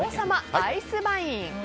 アイスバイン。